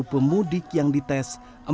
tujuh puluh pemudik yang dites